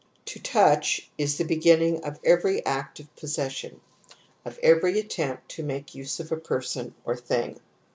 J^T^ touch is the beginning of every act i of possession, of every attempt to make use of '\ a person or thing.